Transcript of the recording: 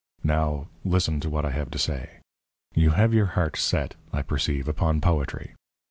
Now, listen to what I have to say. You have your heart set, I perceive, upon poetry.